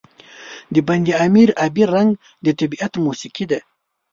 د بند امیر آبی رنګ د طبیعت موسيقي ده.